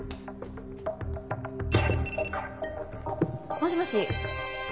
もしもし。